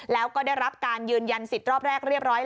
แล้วก็ได้รับการยืนยันสิทธิ์รอบแรกเรียบร้อย